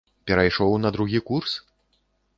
Перайшоў на другі курс?